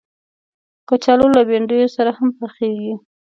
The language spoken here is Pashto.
کچالو له بنډیو سره هم پخېږي